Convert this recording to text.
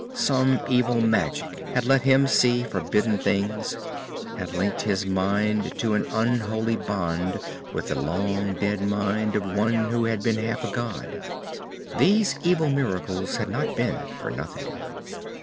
Some evil magic had let him see forbidden things, had linked his mind in an unholy bond with the long dead mind of one who had been half a god. These evil miracles had not been for nothing.